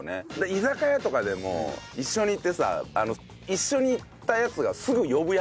居酒屋とかでも一緒に行ってさ一緒に行ったヤツがいる！